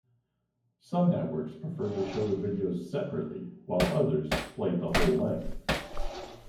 Some networks preferred to show the videos separately while others played the whole length.